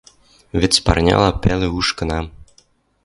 Вӹц парняла пӓлӹ уж кынам: